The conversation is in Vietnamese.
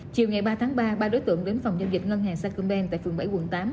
chiều ngày ba tháng ba ba đối tượng đến phòng giao dịch ngân hàng sacombank tại phường bảy quận tám